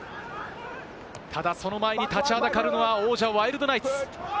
ただその前に立ちはだかるのは王者・ワイルドナイツ。